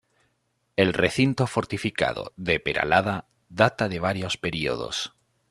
El recinto fortificado de Peralada data de varios periodos.